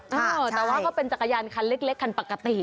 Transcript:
เออแต่ว่าก็เป็นจักรยานคันเล็กคันปกติ